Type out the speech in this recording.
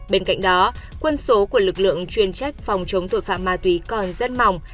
bên cạnh đó quân số của lực lượng chuyên trách phòng chống tội phạm ma túy còn rất mỏng